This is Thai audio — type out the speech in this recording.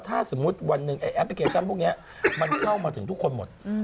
ถ้าสมมุติวันหนึ่งแอปพลิเคชันพวกนี้มันเข้ามาถึงทุกคนหมด